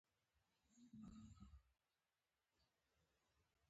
هغې په ژړغوني غږ وويل.